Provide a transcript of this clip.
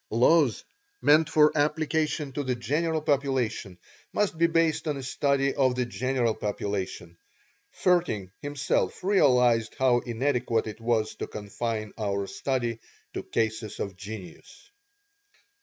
Laws meant for application to the general population must be based on a study of the general population. Vaerting, himself, realized how inadequate it was to confine our study to cases of genius.